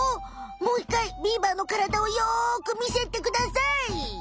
もういっかいビーバーの体をよくみせてください！